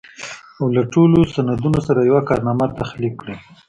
او له ټولو سندونو سره يوه کارنامه تخليق کړي.